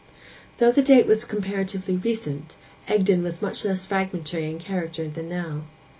Though the date was comparatively recent, Egdon was much less fragmentary in character than now.